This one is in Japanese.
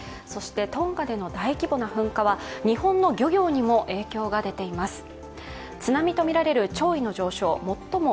トンガでの大規模な噴火は日本の漁業にも影響が出ています。